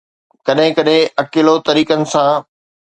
ڪڏهن ڪڏهن اڪيلو طريقن سان